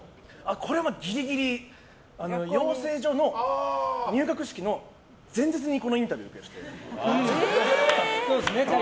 これはギリギリ養成所の入学式の前日にこのインタビューでして。